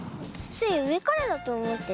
スイうえからだとおもってた。